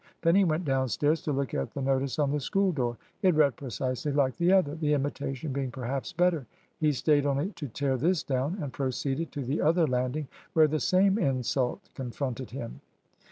Then he went downstairs to look at the notice on the school door. It read precisely like the other, the imitation being perhaps better. He stayed only to tear this down, and proceeded to the other landing, where the same insult confronted him.